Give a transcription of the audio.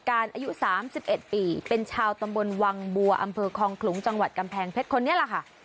อายุ๓๑ปีเป็นชาวตำบลวังบัวอำเภอคลองขลุงจังหวัดกำแพงเพชรคนนี้แหละค่ะ